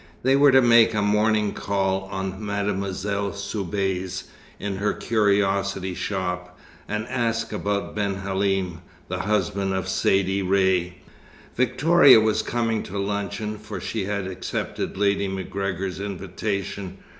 They were to make a morning call on Mademoiselle Soubise in her curiosity shop, and ask about Ben Halim, the husband of Saidee Ray. Victoria was coming to luncheon, for she had accepted Lady MacGregor's invitation.